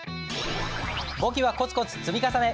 簿記はコツコツ積み重ね。